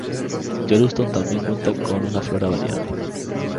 Yellowstone también cuenta con una flora variada.